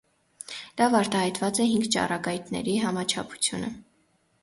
Լավ արտահայտված է հինգ ճառագայթների համաչափությունը։